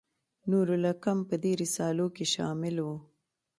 نور الحکم په دې رسالو کې شامل و.